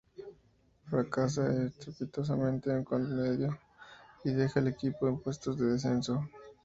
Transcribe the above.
Fracasa estrepitosamente en su cometido y deja al equipo en puestos de descenso.